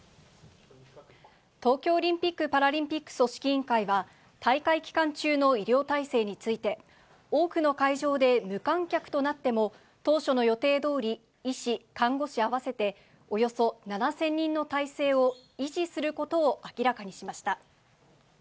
東京オリンピック・パラリンピック組織委員会は、大会期間中の医療体制について、多くの会場で無観客となっても、当初の予定どおり、医師、看護師合わせておよそ７０００人の体制を維持することを明らかにしました。